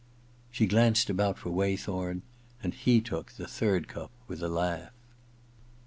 She glanced about for Waythorn, and he took the third cup with a laugh.